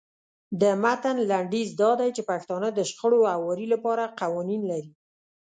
د متن لنډیز دا دی چې پښتانه د شخړو هواري لپاره قوانین لري.